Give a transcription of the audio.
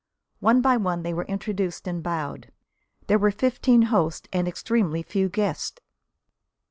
One by one they were introduced and bowed. There were fifteen hosts and extremely few guests!